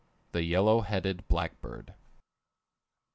] THE YELLOW HEADED BLACKBIRD. E.